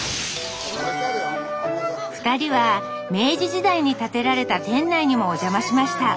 ２人は明治時代に建てられた店内にもお邪魔しました。